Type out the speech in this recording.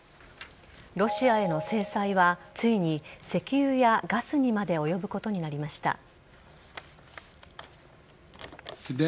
ロシアへの制裁はついに石油やガスにまで及ぶことになりました。